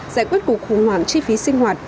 giải quyết cuộc khủng hoảng chi phí sinh hoạt